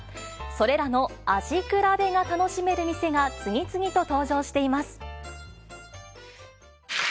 それらの味比べが楽しめる店が次々と登場しています。